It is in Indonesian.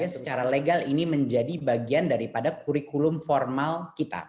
secara legal ini menjadi bagian daripada kurikulum formal kita